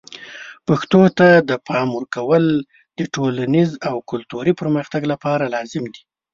پښتو ته د پام ورکول د ټولنیز او کلتوري پرمختګ لپاره لازم دي.